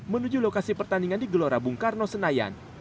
menuju lokasi pertandingan di gelora bung karno senayan